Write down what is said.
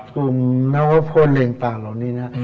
กลุ่มนวพลเลงตาเหล่านี้นะ